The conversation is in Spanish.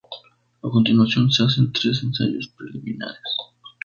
A continuación se hacen tres ensayos preliminares.